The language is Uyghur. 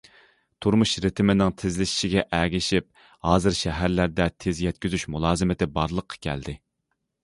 تۇرمۇش رىتىمىنىڭ تېزلىشىشىگە ئەگىشىپ ھازىر شەھەرلەردە تېز يەتكۈزۈش مۇلازىمىتى بارلىققا كەلدى.